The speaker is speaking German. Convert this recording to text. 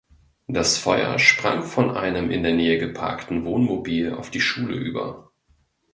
Das Feuer sprang von einem in der Nähe geparkten Wohnmobil auf die Schule über.